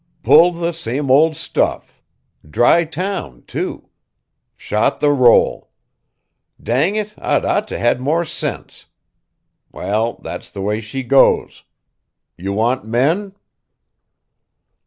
"Pulled the same old stuff dry town, too. Shot the roll. Dang it, I'd ought to had more sense. Well, that's the way she goes. You want men?"